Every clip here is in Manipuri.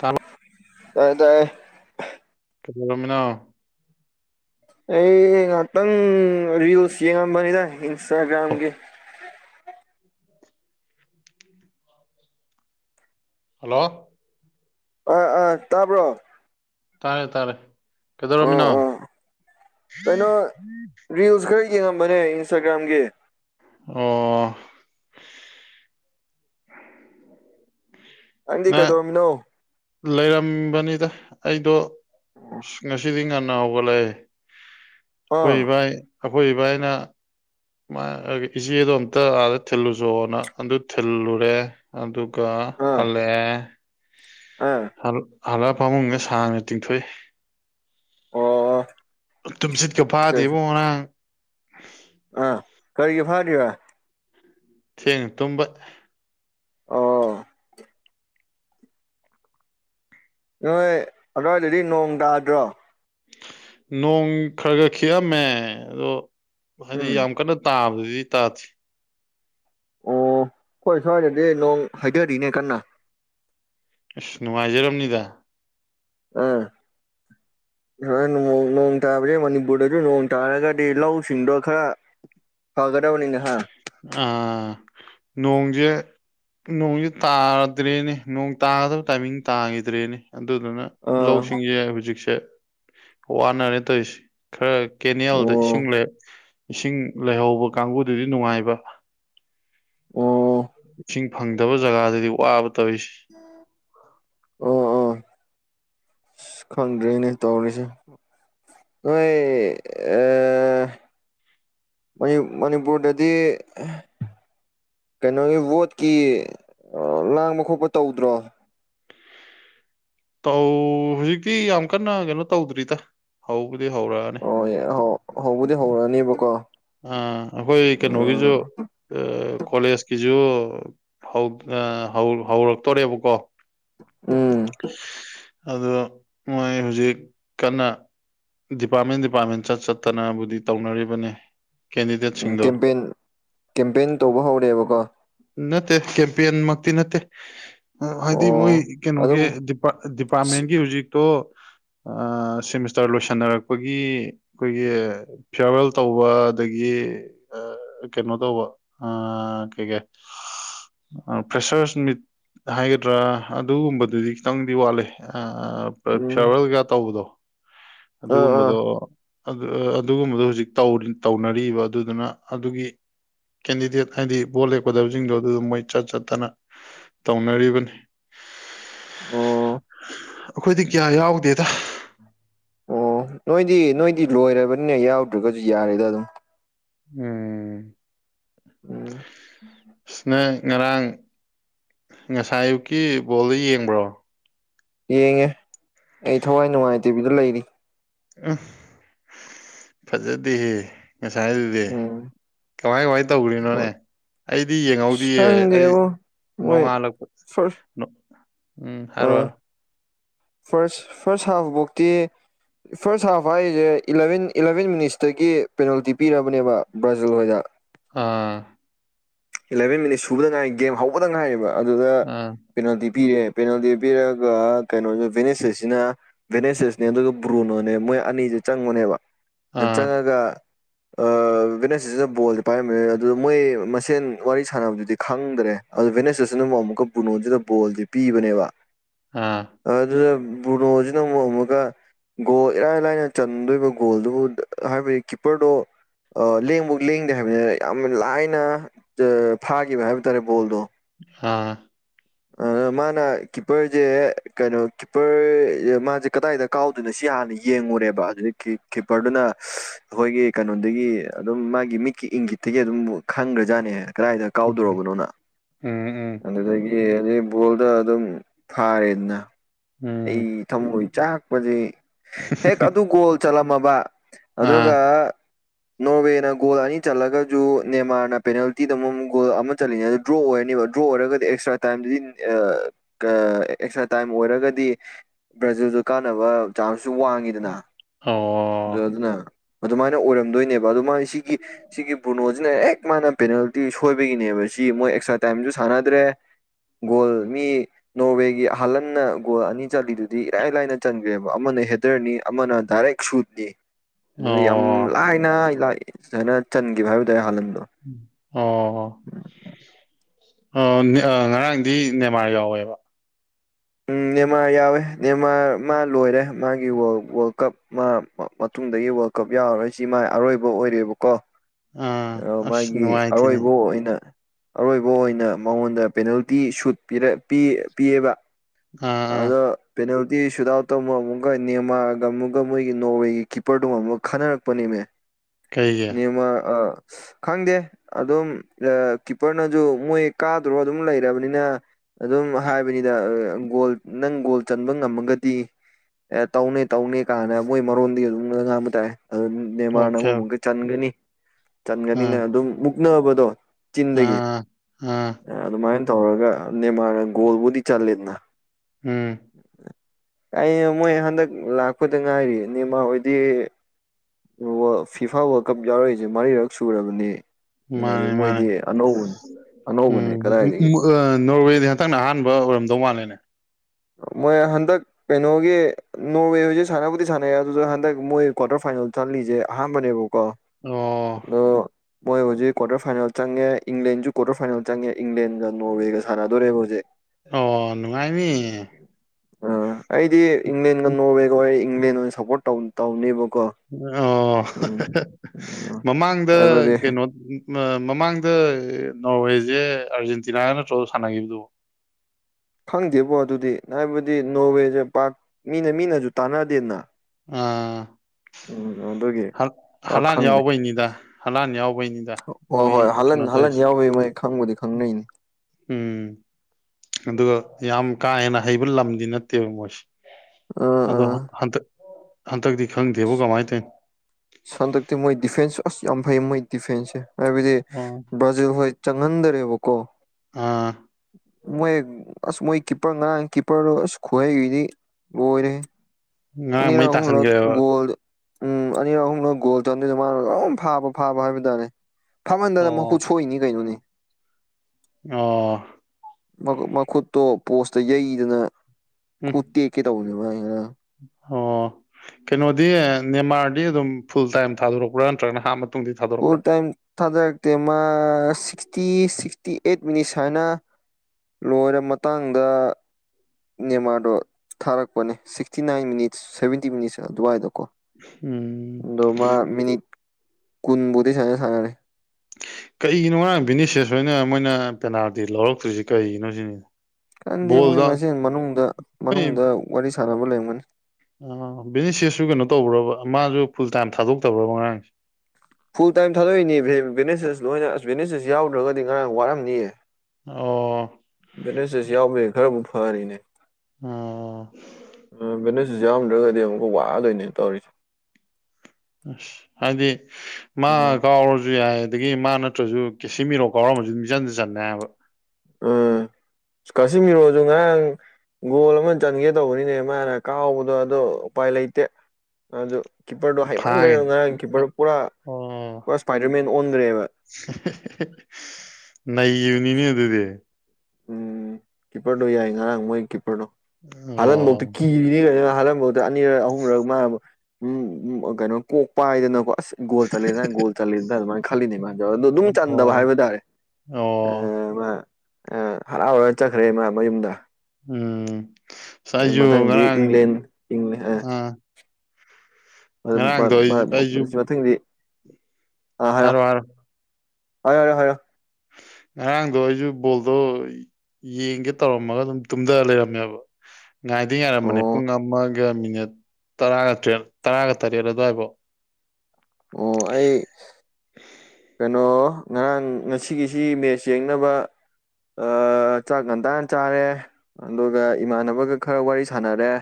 ꯇꯣ [unintelligible] ꯀꯩꯗꯧꯔ꯭ꯃꯤꯅꯣ ꯑꯩ ꯉꯍꯥꯛꯇꯪ ꯔꯤꯨꯁ ꯌꯦꯡꯉꯝꯕꯅꯤꯗ ꯏꯟꯁꯇꯥꯒ꯭ꯔꯥꯝꯒꯤ ꯍꯜꯂꯣ ꯑꯥ ꯑꯥ ꯇꯥꯕ꯭ꯔꯣ ꯇꯥꯔꯦ ꯇꯥꯔꯦ ꯑꯣ ꯀꯩꯗꯧꯔꯝꯃꯤꯅꯣ ꯑꯣ ꯀꯩꯅꯣ ꯔꯤꯜꯁ ꯈꯔ ꯌꯦꯡꯉꯝꯕꯅꯦ ꯏꯟꯁꯇꯥꯒ꯭ꯔꯥꯝꯒꯤ ꯑꯣ ꯅꯪꯗꯤ ꯅ ꯀꯩꯗꯧꯔꯝꯃꯤꯅꯣ ꯂꯩꯔꯝꯕꯅꯤꯗ ꯑꯩꯗꯣ ꯉꯁꯤꯗꯤ ꯉ ꯍꯧꯒꯠꯂꯦ ꯑꯩꯈꯣꯏ ꯑꯥ ꯏꯕꯥ ꯑꯩꯈꯣꯏ ꯏꯕꯥꯏꯅ ꯏꯆꯦꯗꯣ ꯑꯝꯇ ꯑꯗ ꯊꯤꯜꯂꯨꯁꯑꯣꯅ ꯑꯗꯨ ꯊꯤꯜꯂꯨꯔꯦ ꯑꯗꯨ ꯀ ꯑꯥ ꯍꯜꯂꯑꯦ ꯑꯥ ꯍꯜꯂ ꯐꯃꯨꯡꯒ ꯁꯥꯡꯅ ꯇꯤꯡꯊꯣꯛꯏ ꯑꯣ ꯇꯨꯝꯁꯤꯠꯀ ꯐꯥꯗꯦꯕ ꯉꯔꯥꯡ ꯑꯥ ꯀꯔꯤꯒꯤ ꯐꯥꯔ ꯋꯥ ꯊꯦꯡ ꯇꯨꯝꯕ ꯑꯣ ꯅꯣꯏ ꯑꯗꯥꯏꯗꯗꯤ ꯅꯣꯡ ꯇꯥꯗ꯭ꯔꯣ ꯅꯣꯡ ꯈꯔ ꯈꯔ ꯑꯝꯃꯦ ꯑꯗꯣ ꯍꯥꯏꯗꯤ ꯎꯝ ꯌꯥꯝ ꯀꯟꯅ ꯇꯥꯕꯗꯤ ꯇꯥꯁꯤ ꯑꯣ ꯍꯣꯏ ꯁ꯭ꯋꯥꯏꯗꯗꯤ ꯅꯣꯡ ꯍꯥꯏꯖꯔꯤꯅꯦ ꯀꯟꯅ ꯑꯁ ꯅꯨꯡꯉꯥꯏꯖꯔꯔꯕꯅꯤꯗ ꯑꯥ ꯍꯣꯏ ꯅ ꯅꯣꯡ ꯇꯥꯕꯁꯦ ꯃꯅꯤꯄꯨꯔꯗꯁꯨ ꯅꯣꯡ ꯇꯥꯔꯒꯗꯤ ꯂꯧꯁꯤꯡꯗꯣ ꯈꯔ ꯐꯒꯗꯧ ꯅꯤꯅꯦꯍ ꯅꯣꯡꯖꯦ ꯅꯣꯡꯁꯨ ꯇꯥꯗ꯭ꯔꯦꯅꯦ ꯅꯣꯡ ꯇꯥꯒꯗꯕ ꯇꯥꯏꯃꯤꯡ ꯇꯥꯈꯤꯗ꯭ꯔꯦꯅꯦ ꯑꯗꯨꯗꯨꯅ ꯑꯥ ꯂꯧꯁꯤꯡꯁꯦ ꯍꯧꯖꯤꯛꯁꯦ ꯋꯥꯅꯔꯅꯤ ꯇꯧꯔꯤꯁꯦ ꯈꯔ ꯀꯦꯅꯦꯜꯗ ꯏꯁꯤꯡ ꯑꯣ ꯏꯁꯤꯡ ꯂꯩꯍꯧꯕ ꯀꯥꯡꯕꯨꯗꯨꯗꯤ ꯅꯨꯡꯉꯥꯏꯕ ꯑꯣ ꯏꯁꯤꯡ ꯐꯪꯗꯕ ꯖꯒꯥꯗꯗꯤ ꯋꯥꯕ ꯇꯧꯔꯤꯁꯤ ꯑꯣ [inaudible] ꯑꯁ ꯈꯪꯗ꯭ꯔꯦꯅꯦ ꯇꯧꯔꯤꯁꯦ ꯅꯣꯏ ꯑ.... ꯃꯅꯤꯄꯨ꯭ꯔꯗꯗꯤ ꯀꯩꯅꯣꯒꯤ ꯕꯣꯠꯀꯤ ꯂꯥꯡꯕ ꯈꯣꯠꯄ ꯇꯧꯗ꯭ꯔꯣ ꯇꯧ ꯍꯧꯖꯤꯛꯇꯤ ꯌꯥꯝ ꯀꯟꯅ ꯀꯩꯅꯣ ꯇꯧꯗ꯭ꯔꯤꯗ ꯍꯧꯕꯨꯗꯤ ꯍꯧꯔꯅꯤ ꯑꯣ ꯍꯧ ꯍꯧꯕꯨꯗꯤ ꯍꯧꯔꯅꯦꯕꯀꯣ ꯑ ꯑꯩꯈꯣꯏ ꯀꯩꯅꯣꯒꯤꯁꯨ ꯀꯣꯂꯦꯖꯀꯤꯁꯨ ꯍꯧꯔꯛꯇꯣꯔꯦꯕꯀꯣ ꯎꯝ ꯑꯗꯨ ꯃꯣꯏ ꯍꯧꯖꯤꯛ ꯀꯟꯅ ꯗꯤꯄꯥꯔꯠꯃꯦꯟ ꯗꯤꯄꯥꯔꯠꯃꯦꯟ ꯆꯠ ꯆꯠꯇꯅꯕꯨꯗꯤ ꯇꯧꯅꯔꯤꯕꯅꯤ ꯎꯝ ꯀꯦꯟꯗꯤꯗꯦꯠꯁꯤꯡꯗꯣ ꯀꯦꯝꯄꯦꯟ ꯀꯦꯝꯄꯦꯟ ꯇꯧꯕ ꯍꯧꯔꯦꯕꯀꯣ ꯅꯠꯇꯦ ꯀꯦꯝꯄꯤꯌꯦꯟ ꯃꯛꯇꯤ ꯅꯠꯇꯦ ꯍꯥꯏꯗꯤ ꯃꯣꯏ ꯑꯣ ꯀꯩꯅꯣꯒꯤ ꯑꯗꯨꯝ ꯗꯤꯄꯥꯔꯠꯃꯦꯟꯒꯤ ꯍꯧꯖꯤꯛꯇꯣ ꯁꯤꯃꯤꯁꯇꯔ ꯂꯣꯏꯁꯟꯅꯔꯛꯄꯒꯤ ꯑꯩꯈꯣꯏꯒꯤ ꯐꯤꯌꯥ꯭ꯔꯋꯦꯜ ꯇꯧꯕ ꯑꯗꯒꯤ ꯑ ꯀꯩꯅꯣ ꯇꯧꯕ ꯑ ꯀꯩꯀꯦ ꯐ꯭ꯔꯦꯁꯔꯁ ꯃꯤꯠ ꯍꯥꯏꯒꯗ꯭ꯔꯥ ꯑꯗꯨꯒꯨꯝꯕꯗꯨꯗꯤ ꯈꯤꯇꯪꯗꯤ ꯋꯥꯠꯂꯦ ꯎꯝ ꯐꯤꯌꯥꯚꯦꯜꯒ ꯇꯧꯕꯗꯣ ꯑꯥ ꯑꯥ ꯑꯗꯨꯒꯨꯝꯕꯗꯣ ꯑꯗꯨꯒꯨꯝꯕꯗꯣ ꯍꯧꯖꯤꯛ ꯇꯧꯅꯔꯤꯕ ꯑꯗꯨꯗꯨꯅ ꯑꯗꯨꯒꯤ ꯀꯦꯟꯗꯤꯗꯦꯠ ꯍꯥꯏꯗꯤ ꯚꯣꯠ ꯂꯦꯀꯗꯕꯁꯤꯡꯗꯣ ꯑꯗꯨꯗ ꯃꯣꯏ ꯆꯠ ꯆꯠꯇꯅ ꯇꯧꯅꯔꯤꯕꯅꯤ ꯑꯣ ꯑꯩꯈꯣꯏꯗꯤ ꯀꯌꯥ ꯌꯥꯎꯗꯦꯗ ꯑꯣ ꯅꯣꯏꯗꯤ ꯅꯣꯏꯗꯤ ꯂꯣꯏꯔꯕꯅꯤꯅ ꯌꯥꯎꯗ꯭ꯔꯒꯁꯨ ꯌꯥꯔꯦꯗ ꯑꯗꯨꯝ ꯎꯝ ꯎꯝ ꯁꯤꯅ ꯉꯔꯥꯡ ꯉꯁꯥꯏ ꯑꯌꯨꯛꯀꯤ ꯕꯣꯜꯗꯣ ꯌꯦꯡꯕ꯭ꯔꯣ ꯌꯦꯡꯉꯦ ꯑꯩ ꯊꯋꯥꯏ ꯅꯨꯡꯉꯥꯏꯇꯦꯕꯤꯗ ꯂꯩꯔꯤ ꯎ ꯐꯖꯗꯦꯍꯦ ꯉꯁꯥꯏ ꯑꯗꯨ ꯎꯝ ꯀꯃꯥꯏ ꯀꯃꯥꯏꯅ ꯇꯧꯈ꯭ꯔꯤꯅꯣꯅꯦ ꯑꯩꯗꯤ ꯑꯁ ꯌꯦꯡꯍꯧꯗꯌꯦ ꯑꯩ ꯈꯪꯗꯦꯕꯣ ꯃꯣꯏ ꯅꯣꯡꯉꯥꯜꯂꯛꯄ ꯐꯥꯔꯁ ꯎꯝ ꯑꯥ ꯍꯥꯏꯔꯣꯔ ꯐꯥꯔꯁ ꯐꯥꯔꯁ ꯍꯥꯐꯐꯧꯇꯤ ꯐꯥꯔꯁ ꯍꯥꯐ ꯍꯥꯏꯔꯤꯁꯦꯂꯚꯦꯟ ꯏꯂꯚꯦꯟ ꯃꯤꯅꯤꯠꯁꯇꯒꯤ ꯄꯦꯅꯥꯜꯇꯤ ꯄꯤꯔꯕꯅꯦꯕ ꯕ꯭ꯔꯥꯖꯤꯜ ꯍꯣꯏꯗ ꯑꯥ ꯑꯦꯂꯚꯦꯟ ꯃꯤꯅꯤꯠ ꯁꯨꯕꯗ ꯉꯥꯏ ꯒꯦꯝ ꯍꯧꯕꯗ ꯉꯥꯏꯌꯦꯕ ꯑꯗꯨꯗ ꯑꯥ ꯄꯦꯅꯥꯜꯇꯤ ꯄꯤꯔꯦ ꯄꯦꯅꯥꯜꯇꯤ ꯄꯤꯔꯒ ꯀꯩꯅꯣꯁꯦ ꯚꯦꯅꯦꯁꯦꯁꯁꯤꯅ ꯚꯦꯅꯦꯁꯦꯁꯅꯦ ꯑꯗꯨꯒ ꯕ꯭ꯔꯨꯅꯣꯅꯦ ꯃꯣꯏ ꯑꯅꯤꯁꯦ ꯆꯪꯉꯨꯅꯦꯕ ꯅ ꯑꯥ ꯆꯪꯉꯒ ꯚꯦꯅꯦꯁ ꯁꯤꯖꯗ ꯕꯣꯜꯗꯤ ꯄꯥꯏꯔꯝꯃꯦ ꯑꯗꯨ ꯃꯣꯏ ꯃꯁꯦꯟ ꯋꯥꯔꯤ ꯁꯥꯟꯅꯕꯗꯨꯗꯤ ꯈꯪꯗ꯭ꯔꯦ ꯑꯗꯨꯗꯣ ꯚꯦꯅꯦꯁꯇꯁꯟ ꯑꯃꯨꯛ ꯑꯃꯨꯛꯀ ꯕꯨꯅꯣꯟꯁꯤꯗ ꯕꯣꯜꯗꯤ ꯄꯤꯕꯅꯦꯕ ꯑꯥ ꯑꯗꯨꯗ ꯕꯅꯣꯁꯤꯅ ꯑꯃꯨꯛ ꯑꯃꯒ ꯒꯣꯜ ꯏꯔꯥꯏ ꯂꯥꯏꯅ ꯆꯟꯗꯣꯏꯕ ꯒꯣꯜꯗꯨꯕꯨ ꯍꯥꯏꯕꯗꯤ ꯀꯤꯞꯄꯔꯗꯣ ꯂꯦꯡꯕꯧ ꯂꯦꯡꯗꯦ ꯍꯥꯏꯕꯅꯤꯅ ꯌꯥꯝ ꯂꯥꯏꯅ ꯐꯥꯈꯤꯕ ꯍꯥꯏꯕ ꯇꯥꯔꯦ ꯕꯣꯜꯗꯣ ꯑꯥ ꯑ ꯃꯥꯅ ꯀꯤꯞꯄꯔꯁꯦ ꯀꯩꯅꯣ ꯀꯤꯞꯄꯔ ꯃꯥꯁꯦ ꯀꯗꯥꯏꯗ ꯀꯥꯎꯗꯣꯏꯅꯣ ꯁꯤ ꯍꯥꯟꯅ ꯌꯦꯡꯉꯨꯔꯦꯕ ꯑꯗꯨꯗꯒꯤ ꯀꯤꯞꯄꯔꯗꯨꯅ ꯑꯩꯈꯣꯏꯒꯤ ꯀꯩꯅꯣꯗꯒꯤ ꯑꯗꯨꯝ ꯃꯥꯒꯤ ꯃꯤꯠꯀꯤ ꯏꯪꯒꯤꯠꯇꯒꯤ ꯑꯗꯨꯝ ꯈꯪꯈ꯭ꯔꯖꯥꯠꯅꯦ ꯀꯗꯥꯏꯗ ꯀꯥꯎꯗꯣꯔꯔꯕꯅꯣꯅ ꯎꯝ ꯎꯝ ꯑꯗꯨꯗꯒꯤ ꯑꯗꯨꯗꯤ ꯕꯣꯜꯗ ꯑꯗꯨꯝ ꯐꯥꯔꯦꯗꯅ ꯎꯝ ꯑꯩ ꯊꯃꯣꯏ ꯆꯥꯛꯄꯁꯦ ꯍꯦꯛ ꯑꯗꯨ ꯒꯣꯜ ꯆꯠꯂꯝꯃꯕ ꯑꯥ ꯑꯗꯨꯒ ꯅꯣꯔꯋꯦꯅ ꯒꯣꯜ ꯑꯅꯤ ꯆꯜꯂꯒꯁꯨ ꯅꯦꯃꯥꯔꯅ ꯄꯦꯅꯥꯜꯇꯤꯗ ꯑꯃꯨꯛ ꯒꯣꯜ ꯑꯃ ꯆꯅꯦ ꯑꯗꯨ ꯗ꯭ꯔꯣ ꯑꯣꯏꯔꯅꯦꯕ ꯗ꯭ꯔꯣ ꯑꯣꯏꯔꯒꯗꯤ ꯑꯦꯛꯁꯇ꯭ꯔꯥ ꯇꯥꯏꯝꯗꯨꯗꯤ ꯑꯦꯛꯁꯇ꯭ꯔꯥ ꯇꯥꯏꯝ ꯑꯣꯏꯔꯒꯗꯤ ꯗꯤ ꯕ꯭ꯔꯥꯖꯤꯜꯗ ꯀꯥꯟꯅꯕ ꯆꯥꯟꯁꯁꯨ ꯋꯥꯡꯉꯤꯗꯅ ꯑ ꯑꯣ ꯑꯗꯨꯅ ꯑꯗꯨꯃꯥꯏꯅ ꯑꯣꯏꯔꯝꯗꯣꯏꯅꯦꯕ ꯑꯗꯨ ꯃꯥꯏ ꯁꯤꯒꯤ ꯁꯤꯒꯤ ꯕꯨ꯭ꯔꯅꯣꯁꯤꯅ ꯍꯦꯛ ꯃꯥꯅ ꯄꯦꯅꯥꯜꯇꯤ ꯁꯣꯏꯕꯒꯤꯅꯦꯕ ꯁꯤ ꯃꯣꯏ ꯑꯦꯛꯁꯇ꯭ꯔꯥ ꯇꯥꯏꯝꯁꯨ ꯁꯥꯟꯅꯗ꯭ꯔꯦ ꯒꯣꯜ ꯃꯤ ꯅꯣꯔꯋꯦꯒꯤ ꯑꯍꯜ ꯍꯟꯅ ꯒꯣꯜ ꯑꯅꯤ ꯆꯠꯂꯤꯗꯨꯗꯤ ꯏꯔꯥꯏ ꯂꯥꯏꯅ ꯆꯟꯈ꯭ꯔꯦꯕ ꯑꯃꯅ ꯍꯦꯗꯔꯅꯤ ꯑꯃꯅ ꯗꯥꯏꯔꯦꯛ ꯁꯨꯠꯅꯤ ꯑꯗꯨꯅ ꯌꯥꯝ ꯑꯣ ꯂꯥꯏꯅ ꯁꯨꯃꯥꯏꯅ ꯆꯟꯈꯤꯕ ꯍꯥꯏꯕ ꯇꯥꯏ ꯍꯜꯂꯟꯗꯣ ꯑꯣ ꯉꯔꯥꯡꯗꯤ ꯅꯦꯃꯥꯔ ꯌꯥꯎꯋꯦꯕ ꯃꯦꯟꯃꯥꯔ ꯌꯥꯎꯋꯦ ꯃꯦꯟꯃꯥꯔ ꯃꯥ ꯂꯣꯏꯔꯦ ꯃꯥꯒꯤ ꯋꯥꯔꯜ ꯀꯞ ꯃꯥ ꯃꯇꯨꯡꯗꯒꯤ ꯋꯥꯔꯜ ꯀꯞ ꯌꯥꯎꯔꯣꯏꯁꯤ ꯃꯥꯏ ꯑꯔꯣꯏꯕ ꯑꯣꯏꯔꯦꯕꯀꯣ ꯑꯥ ꯑꯁ ꯃꯥꯒꯤ ꯅꯨꯡꯉꯥꯏꯇꯦꯅꯦ ꯑꯔꯣꯏꯕ ꯑꯣꯏꯅ ꯑꯔꯣꯏꯕ ꯑꯣꯏꯅ ꯃꯉꯣꯟꯗ ꯄꯦꯅꯥꯜꯇꯤ ꯁꯨꯠ ꯄꯤꯌꯦꯕ ꯑꯥ ꯑꯥ ꯑꯗꯣ ꯄꯦꯅꯥꯜꯇꯤ ꯁꯨꯠ ꯑꯥꯎꯠ ꯇꯧꯨ ꯑꯃꯨꯛꯀ ꯅꯦꯟꯃꯥꯔꯒ ꯑꯃꯨꯛꯀ ꯃꯣꯏꯒꯤ ꯅꯣꯔꯋꯦꯒꯤ ꯀꯤꯞꯄꯔꯗꯨꯃ ꯑꯃꯨꯛ ꯈꯟꯅꯔꯛꯄꯅꯦꯅꯦ [inaudible] ꯃ ꯑ ꯑ ꯈꯪꯗꯦ ꯑꯗꯨꯝ ꯀꯤꯞꯄꯔꯅꯁꯨ ꯃꯣꯏ ꯀꯥꯗ꯭ꯔꯣ ꯑꯗꯨꯝ ꯂꯩꯔꯕꯅꯤꯅ ꯑꯗꯨꯝ ꯍꯥꯏꯕꯅꯤꯗ ꯒꯣꯜ ꯅꯪ ꯒꯣꯜ ꯆꯟꯕ ꯉꯝꯃꯒꯗꯤ ꯑꯦ ꯇꯧꯅꯤ ꯇꯧꯅꯤ ꯀꯥꯟꯅ ꯃꯣꯏ ꯃꯔꯣꯟꯗꯤ ꯑꯗꯨꯝ ꯉꯥꯡꯥꯟꯕ ꯇꯥꯏ ꯑꯗꯨ ꯅꯦꯃꯥꯟ ꯑꯣꯀꯦ ꯑꯃꯃꯨꯛꯀ ꯆꯟꯒꯅꯤ ꯆꯟꯒꯅꯤꯅ ꯑꯥ ꯑꯗꯨꯝ ꯃꯨꯛꯅꯕꯗꯣ ꯆꯤꯟꯗꯒꯤ ꯑꯥ ꯑꯥ ꯑꯗꯨꯃꯥꯏꯅ ꯇꯧꯔꯒ ꯅꯦꯃꯥꯔꯒ ꯒꯣꯜꯕꯨꯗꯤ ꯆꯜꯂꯦꯗꯅ ꯎꯝ ꯀ ꯃꯣꯏ ꯍꯟꯗꯛ ꯂꯥꯛꯄꯗ ꯉꯥꯏꯔꯤ ꯅꯅꯤꯃꯥ ꯍꯣꯏꯗꯤ ꯐꯤꯐꯥ ꯋꯥꯔꯜ ꯀꯞ ꯌꯥꯎꯔꯛꯏꯁꯦ ꯃꯔꯤꯔꯛ ꯁꯨꯔꯕꯅꯤ ꯗꯤ ꯃꯥꯅꯦ ꯃꯥꯅꯦ ꯃꯣꯏꯗꯤ ꯑꯅꯧꯕꯅꯤ ꯑꯅꯧꯕꯅꯤ ꯎꯝ ꯀꯗꯥꯏꯗꯒꯤ ꯎꯝ ꯅꯣꯔꯋꯦꯗꯤ ꯍꯟꯇꯛꯅ ꯑꯍꯥꯟꯕ ꯑꯣꯏꯔꯝꯗꯧ ꯃꯥꯜꯂꯦꯅꯦ ꯃꯣꯏ ꯍꯟꯗꯛ ꯀꯩꯅꯣꯒꯤ ꯅꯣꯔꯋꯦ ꯍꯧꯖꯤꯛ ꯁꯥꯟꯅꯕꯨꯗꯤ ꯁꯥꯟꯅꯩ ꯑꯗꯨꯗ ꯍꯟꯗꯛ ꯃꯣꯏ ꯀ꯭ꯋꯥꯔꯇꯔ ꯐꯥꯏꯅꯦꯜ ꯆꯠꯂꯤꯁꯦ ꯑꯍꯥꯟꯕꯅꯦꯕꯀꯣ ꯑꯣ ꯑꯗꯣ ꯃꯣꯏ ꯍꯧꯖꯤꯛ ꯀ꯭ꯋꯥꯇꯔ ꯐꯥꯏꯅꯦꯜ ꯆꯪꯉꯦ ꯏꯪꯂꯦꯟꯁꯨ ꯀ꯭ꯋꯥꯇꯔ ꯐꯥꯏꯅꯦꯜ ꯆꯪꯉꯦ ꯏꯪꯂꯦꯟꯒ ꯅꯣꯔꯋꯦꯒ ꯁꯥꯟꯅꯗꯣꯔꯦꯕ ꯍꯧꯖꯤꯛ ꯑꯣ ꯅꯨꯡꯉꯥꯏꯃꯤ ꯑꯥ ꯑꯩꯗꯤ ꯏꯪꯂꯦꯟꯒ ꯅꯣꯔꯋꯦꯒ ꯑꯣꯏꯅ ꯏꯪꯂꯦꯟ ꯑꯣꯏꯅ ꯁꯞꯄꯣꯔꯠꯧ ꯇꯧꯅꯦꯕꯀꯣ ꯑꯣ ꯎꯝ ꯎꯝ ꯃꯃꯥꯡꯗ ꯍꯥꯏꯕꯗꯤ ꯀꯩꯅꯣ ꯃꯃꯥꯡꯗ ꯅꯣꯔꯋꯦꯁꯦ ꯑꯥꯔꯖꯦꯟꯇꯤꯅꯥ ꯅꯠꯇ꯭ꯔꯣ ꯁꯥꯟꯅꯈꯤꯕꯗꯨꯕꯨꯣ ꯈꯪꯗꯦꯕꯣ ꯑꯗꯨꯗꯤ ꯍꯥꯏꯕꯗꯤ ꯅꯣꯋꯦꯁꯦ ꯄꯥꯛ ꯃꯤꯅ ꯃꯤꯅꯁꯨ ꯇꯥꯟꯅꯗꯦꯅ ꯑ ꯎꯝ ꯑꯗꯨꯒꯤ ꯄꯥꯛ ꯍꯂꯥꯟ ꯈꯪꯗꯦ ꯌꯥꯎꯕꯩꯅꯤꯗ ꯍꯂꯥꯟ ꯌꯥꯎꯕꯩꯅꯤꯗ ꯍꯣꯏ ꯃꯣꯏ ꯍꯣꯏ ꯍꯜꯍꯟ ꯀꯩꯅꯣ ꯍꯜꯍꯟ ꯇꯧꯔꯤꯁꯦ ꯌꯥꯎꯕꯩ ꯃꯩ ꯈꯪꯕꯨꯗꯤ ꯈꯪꯅꯩꯅꯤ ꯎꯝ ꯑꯗꯨꯒ ꯌꯥꯝ ꯀꯥ ꯍꯦꯟꯅ ꯍꯩꯕ ꯂꯝꯗꯤ ꯅꯠꯇꯦꯕ ꯃꯣꯏꯁꯦ ꯑꯥ ꯑꯗꯣ ꯑꯥ ꯍꯟ ꯍꯟꯇꯛꯇꯤ ꯈꯪꯗꯦꯕ ꯀꯃꯥꯏꯅ ꯇꯧꯅꯣ ꯍꯟꯗꯛꯇꯤ ꯃꯣꯏ ꯗꯤꯐꯦꯟꯁ ꯑꯁ ꯌꯥꯝ ꯐꯩ ꯃꯣꯏ ꯗꯤꯐꯦꯟꯁꯁꯦ ꯑꯣ ꯍꯥꯏꯕꯗꯤ ꯍꯣꯏ ꯆꯪꯍꯟꯗꯔꯦꯕꯀꯣ ꯑꯥ ꯃꯣꯏ ꯑꯁ ꯃꯣꯏ ꯀꯤꯞꯄꯔ ꯉꯔꯥꯡ ꯀꯤꯞꯄꯔꯗꯣ ꯑꯁ ꯈꯨꯍꯩꯒꯤꯗꯤ ꯑꯣꯏꯣꯏꯔꯦ ꯉꯔꯥꯡ ꯃꯩ ꯑꯅꯤꯔꯛꯍꯨꯝꯂꯛ ꯇꯥꯁꯟꯈ꯭ꯔꯦꯕ ꯣꯜꯗ ꯎꯝ ꯑꯅꯤꯔꯛ ꯑꯍꯨꯝꯂꯛ ꯒꯣꯜ ꯆꯟꯗꯣꯏꯗ ꯃꯥꯅ ꯑꯗꯨꯝ ꯐꯥꯕ ꯐꯥꯕ ꯍꯥꯏꯕ ꯇꯥꯔꯦ ꯐꯝꯃꯟꯗꯅ ꯑꯣ ꯃꯈꯨ ꯁꯣꯏꯏꯅꯤ ꯀꯩꯅꯣꯅꯦ ꯑꯣ ꯃꯈꯨꯠꯇꯣ ꯄꯣꯁꯇ ꯌꯩꯗꯅ ꯈꯨ ꯎꯝ ꯇꯦꯛꯀꯦ ꯇꯧꯕꯅꯦꯕ ꯑꯩꯅ ꯑꯣ ꯀꯩꯅꯣꯗꯤ ꯅꯦꯃꯥꯔꯗꯤ ꯑꯗꯨꯝ ꯐꯨꯜ ꯇꯥꯏꯝ ꯊꯥꯗꯣꯔꯛꯄ꯭ꯔꯥ ꯅꯠꯇ꯭ꯔꯒꯅ ꯍꯥꯞ ꯃꯇꯨꯡꯗꯤ ꯄꯣꯔ ꯊꯥꯗꯣꯔꯛꯄ꯭ꯔꯥ ꯇꯥꯏꯝ ꯊꯥꯗꯔꯛꯇꯦ ꯃꯥ ꯁꯤꯛꯁꯇꯤ ꯁꯤꯛꯁꯇꯤ ꯑꯩꯠ ꯃꯤꯅꯤꯠ ꯁ ꯍꯥꯏꯅ ꯂꯣꯏꯔ ꯃꯇꯥꯡꯗ ꯃꯦꯟꯃꯥꯔꯗꯣ ꯊꯥꯔꯛꯄꯅꯦ sixty nine minutes seventy minutes ꯑꯗꯨꯋꯥꯏꯗ ꯀꯣ ꯎꯝ ꯑꯗꯨꯣꯃ ꯃꯤꯅꯤꯠ ꯀꯨꯟꯕꯨꯗꯤ ꯁꯥꯟꯅ ꯁꯥꯟꯔꯦ ꯀꯩꯒꯤꯅꯣ ꯉꯔꯥꯡ ꯕꯤꯅꯤꯁꯦꯁꯣꯏꯅ ꯃꯣꯏꯅ ꯄꯦꯅꯥꯜꯇꯤ ꯂꯧꯔꯛꯇ꯭ꯔꯤꯁꯤ ꯀꯩꯒꯤꯅꯣ ꯁꯤꯅꯤ ꯈꯪꯗꯦ ꯃꯣꯏ ꯕꯣꯜꯗ ꯃꯁꯦꯟ ꯃꯅꯨꯡꯗ ꯃꯅꯨꯡꯗ ꯋꯥꯔꯤ ꯁꯥꯟꯅꯕ ꯂꯩꯔꯝꯒꯅꯤ ꯑ ꯕꯤꯖꯤꯁꯦꯁꯨ ꯀꯩꯅꯣ ꯇꯧꯕ꯭ꯔꯕ ꯃꯥꯁꯨ ꯐꯨꯜ ꯇꯥꯏꯝ ꯊꯥꯗꯣꯛꯇꯕ꯭ꯔꯕ ꯑꯉꯥꯡꯁꯦ ꯐꯨꯜ ꯇꯥꯏꯝ ꯊꯥꯗꯣꯛꯏꯅꯦ ꯚꯦꯟꯗꯦꯖꯦꯁ ꯂꯣꯏꯅꯁ ꯚꯦꯟꯗꯦꯖꯦꯁ ꯌꯥꯎꯗ꯭ꯔꯒꯗꯤ ꯉꯔꯥꯡ ꯋꯥꯔꯝꯅꯤꯑꯌꯦ ꯑꯣ ꯕꯦꯅꯦꯁꯦꯁ ꯌꯥꯎꯕꯒꯤ ꯈꯔ ꯑꯃꯨꯛ ꯐꯔꯤꯅꯦ ꯑꯣ ꯎꯝ [unintelligible] ꯌꯥꯎꯔꯝꯗ꯭ꯔꯒꯗꯤ ꯑꯃꯨꯛꯀ ꯋꯥꯗꯣꯏꯅꯦ ꯇꯧꯔꯤꯁꯦ ꯍꯥꯏꯗꯤ ꯃꯥ ꯎꯝ ꯀꯥꯎꯔꯁꯨ ꯌꯥꯏ ꯑꯗꯒꯤ ꯃꯥ ꯅꯠꯇ꯭ꯔꯁꯨ ꯀꯦ ꯁꯤ ꯃꯤꯔꯣꯛ ꯀꯥꯎꯔꯝꯃꯁꯨ ꯃꯤꯆꯟꯗ ꯆꯟꯅꯤ ꯍꯥꯏꯕ ꯎꯝ ꯀꯁꯤ ꯃꯤꯔꯣꯁꯨ ꯉꯔꯥꯡ ꯒꯣꯜ ꯑꯃ ꯆꯟꯒꯦ ꯇꯧꯕꯅꯤꯅꯦ ꯃꯥꯅ ꯀꯥꯎꯕꯗꯣ ꯑꯗꯣ ꯎꯄꯥꯏ ꯂꯩꯇꯦ ꯑꯗꯨ ꯀꯤꯞꯄꯔꯗꯣ ꯐꯥꯒꯦ ꯍꯥꯏꯩꯃꯟꯈ꯭ꯔꯦꯕ ꯉꯔꯥꯡ ꯑꯣ ꯀꯤꯞꯄꯔꯗꯣ ꯄꯨꯔꯥ ꯑꯣ ꯄꯨꯔꯥ ꯏꯁ꯭ꯄꯥꯏꯗꯔ ꯃꯦꯟ ꯑꯣꯟꯈ꯭ꯔꯦꯕ ꯅꯩꯕꯅꯤꯅꯦ ꯑꯗꯨꯗꯤ ꯎꯝ ꯀꯤꯞꯄꯔꯗꯣ ꯌꯥꯏ ꯉꯔꯥꯡ ꯃꯣꯏ ꯀꯤꯞꯄꯔꯗꯣ [unintelligible] ꯍꯥꯜꯟꯐꯧꯗ ꯀꯤꯔꯤꯅꯦ ꯍꯥꯂꯜꯟꯕꯧꯗ ꯑꯅꯤꯔꯛ ꯑꯍꯨꯝꯔꯛ ꯃꯥ ꯎꯝ ꯎꯝ ꯀꯩꯅꯣ ꯀꯣꯛꯄꯥꯏꯗꯅꯀꯣ ꯑꯁ ꯒꯣꯜ ꯆꯜꯂꯦꯅ ꯒꯣꯜ ꯆꯜꯂꯦꯗꯅ ꯑꯗꯨꯃꯥꯏꯅ ꯈꯜꯂꯤꯅꯤ ꯃꯥꯖꯨ ꯑꯗꯨꯣ ꯑꯗꯨꯝ ꯆꯟꯗꯕ ꯑꯣ ꯍꯥꯏꯕꯥꯇꯔꯦ ꯑꯣ ꯑꯥ ꯃꯥ ꯑꯥ ꯍꯔꯥꯎꯔ ꯆꯠꯈ꯭ꯔꯦꯃ ꯃꯌꯨꯝꯗ ꯎꯝ ꯑꯩꯁꯨꯨ ꯃꯊꯪꯗꯤ ꯉꯔꯥꯡ ꯏꯪꯂꯦꯟ ꯏꯪꯂꯦꯟ ꯑꯥ ꯉꯔꯥꯡꯗꯣ ꯑꯩ ꯑꯩꯁꯨ [unintelligible] ꯃꯊꯪꯗꯤ ꯑꯥ ꯍꯥꯏꯌꯣ ꯍꯥꯏꯔꯣ ꯍꯥꯏꯔꯣ ꯍꯥꯏꯌꯣ ꯍꯥꯏꯌꯣ ꯍꯥꯏꯌꯣ ꯉꯔꯥꯡꯗꯣ ꯑꯩꯁꯨ ꯕꯣꯜꯗꯣ ꯌꯦꯡꯒꯦ ꯇꯧꯔꯝꯃꯒ ꯑꯗꯨꯝ ꯇꯨꯝꯊ ꯂꯩꯔꯝꯃꯦꯕ ꯉꯥꯏꯗꯤ ꯌꯥꯔꯝꯕꯅꯦ ꯄꯨꯡ ꯑꯣ ꯑꯃꯒ ꯃꯤꯅꯤꯠ ꯇꯔꯥꯒ ꯇꯔꯦꯠ ꯇꯔꯥꯒ ꯇꯔꯦꯠ ꯑꯗꯨꯋꯥꯏꯐꯥꯎ꯫ ꯑꯣ ꯑꯩ ꯀꯩꯅꯣ ꯉꯔꯥꯡ ꯉꯁꯤꯒꯤꯁꯤ ꯃꯦꯠꯆ ꯌꯦꯡꯅꯕ ꯆꯥꯛ ꯉꯟꯇꯅ ꯆꯥꯔꯦ ꯑꯗꯨꯒ ꯏꯃꯥꯟꯅꯕꯒ ꯈꯔ ꯋꯥꯔꯤ ꯁꯥꯟꯅꯔꯦ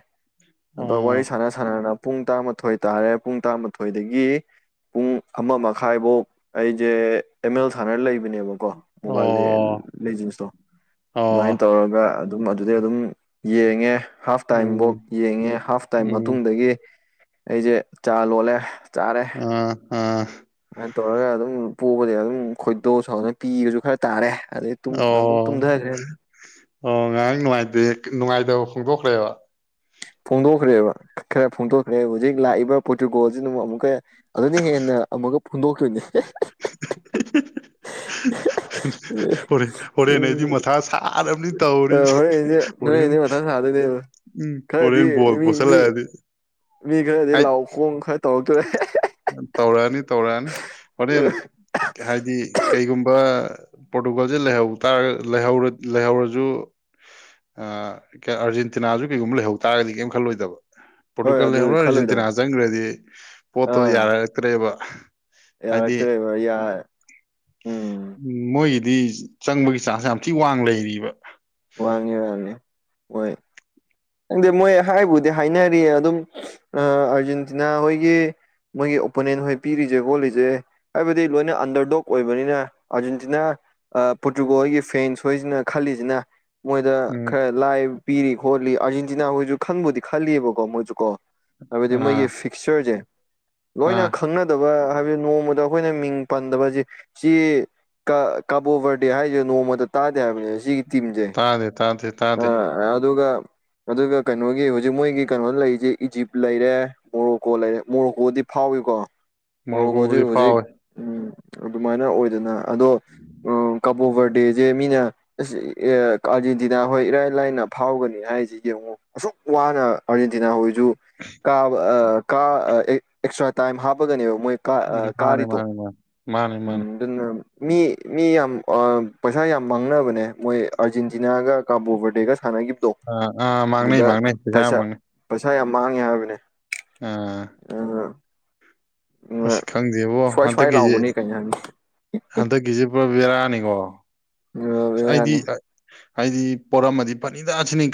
ꯑꯗꯣ ꯑꯣ ꯋꯥꯔꯤ ꯁꯥꯟꯅ ꯁꯥꯟꯅꯅ ꯄꯨꯡ ꯇꯔꯥꯃꯥꯊꯣꯏ ꯇꯥꯔꯦ ꯄꯨꯡ ꯇꯔꯥꯃꯥꯊꯣꯏꯗꯒꯤ ꯄꯨꯡ ꯑꯃ ꯃꯈꯥꯏꯐꯧ ꯑꯩꯁꯦ ꯑꯦꯝ ꯑꯦꯜ ꯁꯥꯟꯅꯔ ꯂꯩꯕꯅꯦꯕꯀꯣ ꯃꯣꯕꯥꯏꯜ ꯑꯣ ꯂꯦꯖꯤꯟꯁꯇꯣ ꯑꯗꯨꯃꯥꯏꯅ ꯑꯣ ꯇꯧꯔꯒ ꯑꯗꯨꯝ ꯑꯗꯨꯗꯩ ꯑꯗꯨꯝ ꯌꯦꯡꯉꯦ ꯍꯥꯐ ꯇꯥꯏꯝꯐꯧ ꯎꯝ ꯌꯦꯡꯉꯦ ꯍꯥꯐ ꯇꯥꯏꯝ ꯎꯝ ꯃꯇꯨꯡꯗꯒꯤ ꯑꯩꯁꯦ ꯆꯥ ꯂꯣꯜꯂꯦ ꯆꯥꯔꯦ ꯑꯥ ꯑꯥ ꯑꯗꯥꯢꯅ ꯇꯧꯔꯒ ꯑꯗꯨꯝ ꯄꯣꯕꯗꯒꯤ ꯑꯗꯨꯝ ꯈꯣꯏꯗꯧ ꯁꯥꯎꯗꯅ ꯄꯤꯒꯁꯨ ꯈꯔ ꯇꯥꯔꯦ ꯑꯗꯩ ꯑꯗꯨꯝ ꯑꯣ ꯇꯨꯝꯊꯈ꯭ꯔꯦ ꯑꯣ ꯉꯔꯡ ꯅꯨꯡꯉꯥꯏꯇꯦ ꯅꯨꯡꯉꯥꯏꯇꯕ ꯐꯣꯡꯗꯣꯛꯈ꯭ꯔꯦꯕ ꯐꯣꯡꯗꯣꯛꯈ꯭ꯔꯦꯕ ꯈꯔ ꯐꯣꯡꯗꯣꯛꯈ꯭ꯔꯦ ꯍꯧꯖꯤꯛ ꯂꯥꯛꯏꯕ ꯄꯣꯔꯇꯨꯒꯣꯜꯁꯤꯅ ꯑꯃꯨꯛ ꯑꯃꯨꯛꯀ ꯑꯗꯨꯅ ꯍꯦꯟꯅ ꯑꯃꯨꯛꯀ ꯐꯨꯟꯗꯣꯛꯇꯨꯏꯅꯦ [unintelligible] ꯍꯣꯔꯦꯟ ꯍꯣꯔꯦꯟ ꯑꯩꯗꯤ ꯃꯊꯥ ꯁꯥꯔꯕꯅꯤ ꯇꯧꯔꯤꯁꯦ ꯍꯣꯔꯦꯟꯁꯦ ꯍꯣꯔꯦꯟ꯫ [unintelligible] ꯎꯝ ꯈꯔꯗꯤ ꯍꯣꯔꯦꯟ ꯕꯣꯜ ꯃꯤ ꯃꯤ ꯄꯣꯠꯁꯤꯜꯂꯛꯑꯗꯤ ꯃꯤ ꯈꯔꯗꯤ ꯂꯥꯎ ꯈꯣꯡ ꯈꯔ ꯇꯧꯔꯛꯇ꯭ꯔꯦ ꯇꯧꯔꯛꯑꯅꯤ-ꯇꯧꯔꯛꯑꯅꯤ ꯍꯣꯔꯦꯟ ꯍꯥꯏꯗꯤ ꯀꯩꯒꯨꯝꯕ ꯄꯣꯔꯇꯨꯒꯜꯁꯦ ꯂꯩꯍꯧꯇꯥꯔ ꯂꯩꯍꯧꯔ ꯂꯩꯍꯧꯔꯁꯨ ꯑꯥ ꯀꯩꯅꯣ ꯑꯥꯔꯖꯦꯟꯇꯤꯅꯥꯖꯨ ꯀꯩꯒꯨꯝꯕ ꯂꯩꯍꯧ ꯇꯥꯔꯒꯗꯤ ꯀꯩꯝ ꯈꯜꯂꯣꯏꯗꯕ ꯍꯣꯏ ꯄꯣꯔꯇꯨꯒꯜ ꯑꯗꯨ ꯂꯩꯍꯧꯔ ꯑꯥꯔꯖꯦꯟꯇꯤꯅꯥ ꯈꯜꯂꯣꯏꯗꯕ ꯆꯪꯒ꯭ꯔꯗꯤ ꯄꯣꯠꯇꯣ ꯑꯥ ꯌꯥꯔꯔꯛꯇ꯭ꯔꯦꯕ ꯌꯥꯔꯛꯇ꯭ꯔꯦꯕ ꯌꯥ ꯎꯝ ꯎꯝ ꯃꯣꯏꯒꯤꯗꯤ ꯆꯪꯕꯒꯤ ꯆꯥꯟꯁ ꯌꯥꯝ ꯊꯤ ꯋꯥꯡ ꯂꯩꯔꯤꯕ ꯋꯥꯡꯉꯦ ꯋꯥꯡꯉꯦ ꯃꯣꯏ ꯈꯪꯗꯦ ꯃꯣꯏ ꯍꯥꯏꯕꯨꯗꯤ ꯍꯥꯏꯅꯔꯤꯌꯦ ꯑꯗꯨꯝ ꯑꯥꯔꯖꯦꯟꯇꯤꯅꯥ ꯍꯣꯏꯒꯤ ꯃꯣꯏꯒꯤ ꯑꯣꯄꯣꯅꯦꯟ ꯍꯣꯏ ꯄꯤꯔꯤꯁꯦ ꯈꯣꯠꯂꯤꯁꯦ ꯍꯥꯏꯕꯗꯤ ꯂꯣꯏꯅ ꯑꯟꯗꯔꯗꯣꯛ ꯑꯣꯏꯕꯅꯤꯅ ꯑꯥꯔꯖꯦꯟꯇꯤꯅꯥ ꯑꯥ ꯄꯣꯔꯇꯨꯒꯣꯜꯒꯤ ꯐꯦꯟꯁ ꯍꯣꯏꯁꯤꯅ ꯈꯜꯂꯤꯁꯤꯅ ꯃꯣꯏꯗ ꯎꯝ ꯈꯔ ꯂꯥꯏꯕ ꯄꯤꯔꯤ ꯈꯣꯠꯂꯤ ꯑꯥꯔꯖꯦꯟꯇꯤꯅꯥ ꯍꯣꯏꯁꯨ ꯈꯪꯕꯨꯗꯤ ꯈꯜꯂꯤꯕꯀꯣ ꯃꯣꯏꯁꯨ ꯀꯣ ꯍꯥꯏꯕꯗꯤ ꯃꯣꯏꯒꯤ ꯑꯥ ꯐꯤꯛꯆꯔꯁꯦ ꯂꯣꯏꯅ ꯑꯥ ꯈꯪꯅ- ꯗꯕ ꯍꯥꯏꯕꯗꯤ ꯅꯣꯡꯃꯗ ꯑꯩꯈꯣꯏꯅ ꯃꯤꯡ ꯄꯟꯗꯕꯁꯦ ꯁꯤ ꯀꯥ ꯀꯕꯣꯕꯔꯗꯦ ꯍꯥꯏꯁꯦ ꯅꯣꯡꯃꯗ ꯇꯥꯗꯦ ꯍꯥꯏꯕꯅꯦ ꯁꯤꯒꯤ ꯇꯤꯝꯁꯦ ꯇꯥꯗꯦ ꯇꯥꯗꯦ ꯇꯥꯗꯦ ꯑꯥ ꯑꯗꯨꯒ ꯑꯗꯨꯒ ꯀꯩꯅꯣꯒꯤ ꯍꯧꯖꯤꯛ ꯃꯣꯏꯒꯤ ꯀꯩꯅꯣꯗ ꯂꯩꯔꯤꯁꯦ ꯏꯖꯤꯞ ꯂꯩꯔꯦ ꯃꯣꯔꯣꯛꯀꯣ ꯂꯩꯔꯦ ꯃꯣꯔꯨꯀꯣꯗꯤ ꯐꯥꯎꯋꯤꯀꯣ ꯃꯣꯔꯣꯀꯣꯖꯦ ꯃꯣꯔꯣꯀꯣꯕꯨꯗꯤ ꯍꯧꯖꯤꯛ ꯐꯥꯎꯋꯦ ꯎꯝ ꯑꯗꯨꯃꯥꯏꯅ ꯑꯣꯏꯗꯅ ꯑꯗꯣ ꯀꯕꯣꯕꯔ ꯄ꯭ꯂꯦꯖꯦ ꯃꯤꯅ ꯑꯁ ꯑꯥꯔꯖꯦꯟꯇꯤꯅꯥ ꯍꯣꯏ ꯏꯔꯥꯏ ꯂꯥꯏꯅ ꯐꯥꯎꯒꯅꯤ ꯍꯥꯏꯖꯤ꯫ ꯌꯦꯡꯉꯨ ꯑꯁꯨꯛ ꯋꯥꯅ ꯑꯥꯔꯖꯦꯟꯇꯤꯅꯥ ꯍꯣꯏꯁꯨ ꯀꯥꯕ ꯑꯥ ꯀ ꯑ ꯑꯦꯛ ꯑꯦꯛꯁꯇ꯭ꯔꯥ ꯇꯥꯏꯝ ꯍꯥꯞꯄꯒꯅꯦꯕ ꯃꯣꯏꯥ ꯎꯝ ꯃꯥꯅꯦ ꯀꯥꯔꯤꯗꯣ ꯃꯥꯅꯦ ꯃꯥꯅꯦ ꯃꯥꯅꯦ ꯃꯥꯅꯦ ꯎꯝ ꯑꯗꯨꯅ ꯃꯤ ꯃꯤ ꯌꯥꯝ ꯑ ꯄꯩꯁꯥ ꯌꯥꯝ ꯃꯥꯡꯅꯕꯅꯦ ꯃꯣꯏ ꯑꯔꯖꯦꯟꯇꯤꯅꯥꯒ ꯀꯥꯕꯣ ꯕꯔꯗꯦꯒ ꯁꯥꯟꯅꯈꯤꯕꯗꯣ ꯑꯥ ꯑꯥ ꯃꯥꯡꯅꯩ ꯑꯗꯨꯗ ꯃꯥꯡꯅꯩ ꯌꯥꯝ ꯄꯩꯁꯥ ꯃꯥꯡꯅꯩ ꯄꯩꯁꯥ ꯌꯥꯝ ꯃꯥꯡꯉꯦ ꯍꯥꯏꯕꯅꯦ ꯑꯥ ꯑ ꯑꯁ ꯈꯪꯗꯦꯕꯣ ꯁ꯭ꯋꯥꯏ ꯁ꯭ꯋꯥꯏ ꯍꯟꯗꯛꯀꯤꯁꯦ ꯂꯥꯎꯕꯅꯦ ꯀꯩꯅꯣ ꯍꯥꯏꯕꯅꯤ ꯍꯟꯗꯛꯀꯤꯁꯦ ꯄꯨꯔꯥ ꯕꯦꯔꯥꯅꯤꯀꯣ ꯑꯩꯗꯤ ꯌꯥꯅꯤ ꯍꯥꯏꯗꯤ ꯄꯣꯔꯝꯃꯗꯤ ꯐꯅꯤ ꯇꯁꯤꯅꯤ